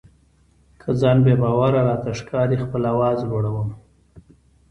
که ځان بې باوره راته ښکاري خپل آواز لوړوم.